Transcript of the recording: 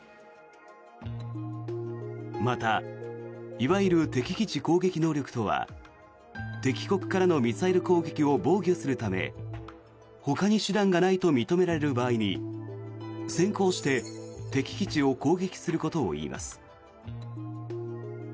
またいわゆる敵基地攻撃能力とは敵国からのミサイル攻撃を防御するためほかに手段がないと認められる場合に先行して敵基地を攻撃することを言います。